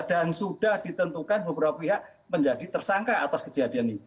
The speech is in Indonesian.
dan sudah ditentukan beberapa pihak menjadi tersangka atas kejadian ini